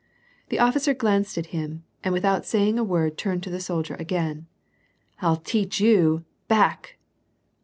The officer glanced at him, and without saying a word, turned to the soldier again. " I'll teach you. Back